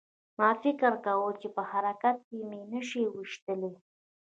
ما فکر کاوه چې په حرکت کې مې نشي ویشتلی